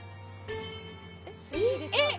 えっ！